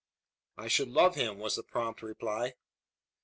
"I should love him," was the prompt reply.